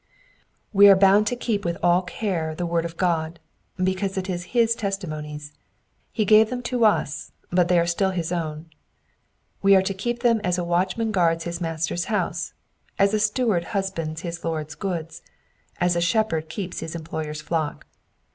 '' We are bound to keep with all care the word of God, because it is hi$ testimonies. He gave them to us, but they are still his own. We are to keep them as a watchman guards his master's house, as a steward husbands his lord's goods, as a shepherd keeps his employer's fiock.